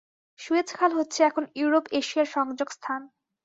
Suez খাল হচ্ছে এখন ইউরোপ-এশিয়ার সংযোগ স্থান।